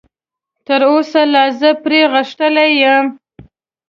تراوسه لا زه پرې غښتلی یم.